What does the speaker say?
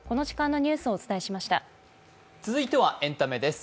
続いてはエンタメです。